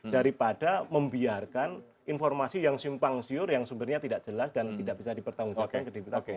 daripada membiarkan informasi yang simpang siur yang sumbernya tidak jelas dan tidak bisa dipertanggungjawabkan ke dpr